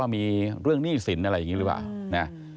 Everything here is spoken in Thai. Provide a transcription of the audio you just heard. มีเรื่องหนี้สินอะไรอย่างนี้หรือเปล่านะ